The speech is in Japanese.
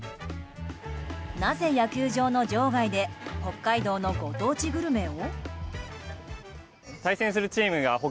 なぜ、野球場の場外で北海道のご当地グルメを？